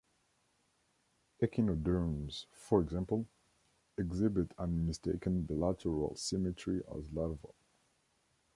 Echinoderms, for example, exhibit unmistaken bilateral symmetry as larvae.